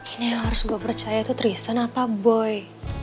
ini yang harus gue percaya tuh tristan apa boy